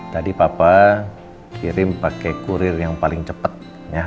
tadi papa kirim pake kurir yang paling cepet ya